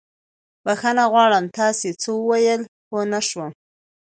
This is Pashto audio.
بښنه غواړم، تاسې څه وويل؟ پوه نه شوم.